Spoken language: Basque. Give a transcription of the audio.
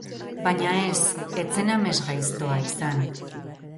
Baina ez, ez zen amesgaiztoa izan.